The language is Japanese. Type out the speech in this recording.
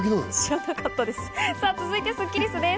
続いてスッキりすです。